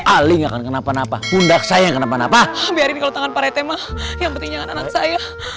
ali gak akan kenapa napa pundak saya kenapa napa biarin kalau tangan parete mah yang penting jangan anak saya